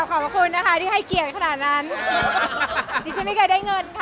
ขอบคุณนะคะที่ให้เกียรติขนาดนั้นดิฉันไม่เคยได้เงินค่ะ